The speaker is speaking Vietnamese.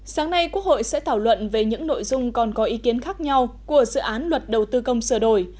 sáng nay quốc hội sẽ thảo luận về những nội dung còn có ý kiến khác nhau của dự án luật đầu tư công sửa đổi